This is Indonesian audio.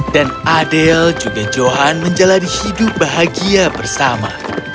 dan adele juga johan menjalani hidup bahagia bersama